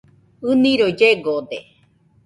ɨniroi llegode.